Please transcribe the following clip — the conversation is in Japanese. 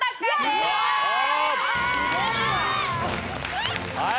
すごい！